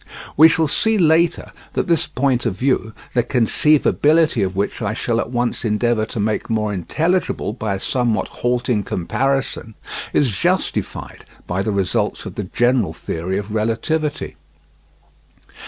We shall see later that this point of view, the conceivability of which I shall at once endeavour to make more intelligible by a somewhat halting comparison, is justified by the results of the general theory of relativity.